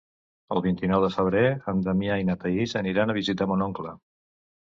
El vint-i-nou de febrer en Damià i na Thaís aniran a visitar mon oncle.